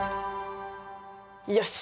よし！